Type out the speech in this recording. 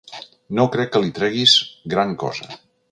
No crec que li treguis gran cosa.